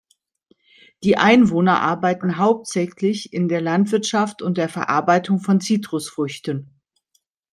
Die Einwohner arbeiten hauptsächlich in der Landwirtschaft und der Verarbeitung von Zitrusfrüchten.